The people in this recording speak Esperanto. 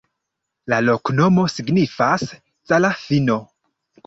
La loknomo signifas: Zala-fino.